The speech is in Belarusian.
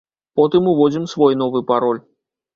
Потым уводзім свой новы пароль.